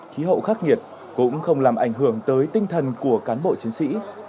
khí hậu khắc nghiệt cũng không làm ảnh hưởng tới tinh thần của cán bộ chiến sĩ